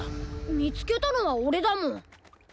みつけたのはオレだもん。